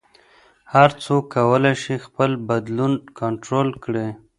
هر څوک کولی شي خپل بدلون کنټرول کړي.